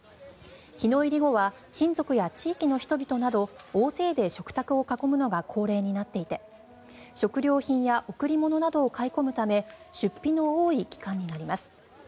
日の入り後は親族や地域の人々など、大勢で食卓を囲むのが恒例となっていて食料品や贈り物などを買い込むため出費の多い期間になります。